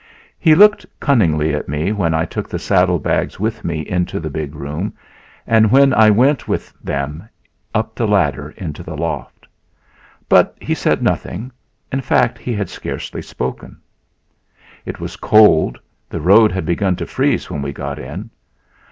He looked cunningly at me when I took the saddle bags with me into the big room and when I went with them up the ladder into the loft. But he said nothing in fact, he had scarcely spoken. It was cold; the road had begun to freeze when we got in.